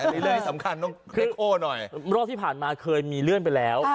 แต่นี้เลื่อนที่สำคัญน้องคือเน็กโฮนหน่อยรอบที่ผ่านมาเคยมีเลื่อนไปแล้ว